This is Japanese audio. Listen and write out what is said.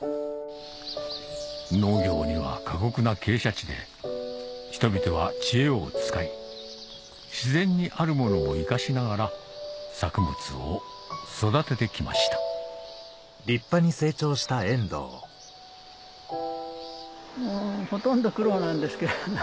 農業には過酷な傾斜地で人々は知恵を使い自然にあるものを生かしながら作物を育てて来ましたほとんど苦労なんですけれども。